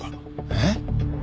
えっ！？